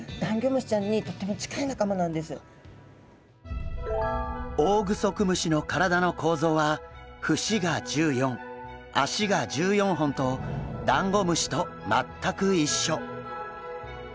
実はこのオオグソクムシの体の構造は節が１４脚が１４本とダンゴムシと全く一緒。